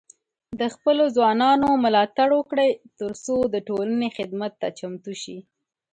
د خپلو ځوانانو ملاتړ وکړئ، ترڅو د ټولنې خدمت ته چمتو شي.